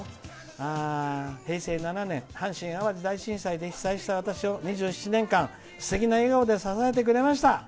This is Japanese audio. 平成７年、阪神・淡路大震災で被災した私を２７年間すてきな笑顔で支えてくれました。